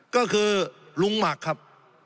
ก็คือลุงหมักครับ